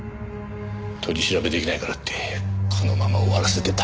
取り調べできないからってこのまま終わらせてたまるか。